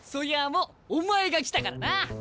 もうお前が来たからな。